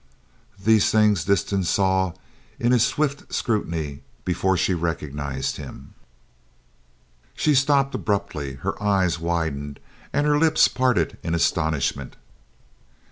These things Disston saw in his swift scrutiny before she recognized him. She stopped abruptly, her eyes widened and her lips parted in astonishment.